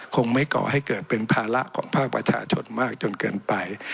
คงไม่ก่อให้เกิดเป็นภาระของภาคประชาชนมากจนเกินไป